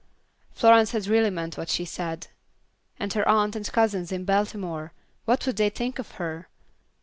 Florence had really meant what she said. And her aunt and cousins in Baltimore, what would they think of her?